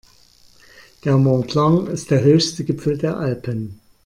Der Mont Blanc ist der höchste Gipfel der Alpen.